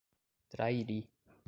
Trairi